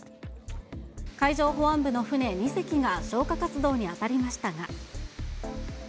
海上保安部の船２隻が消火活動に当たりましたが。